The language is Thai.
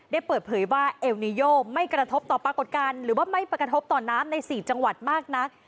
ได้เปิดเผยว่าเอลนิโยไม่กระทบต่อปรากฏการณ์หรือว่าไม่ประกระทบต่อน้ำใน๔จังหวัดมากนัก